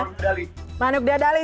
jawabannya manug dadali